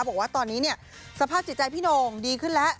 บอกว่าตอนนี้เนี่ยสภาพจิตใจพี่โหน่งดีขึ้นแล้ว